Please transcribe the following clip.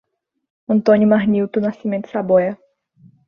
Antônio Marnilto Nascimento Saboia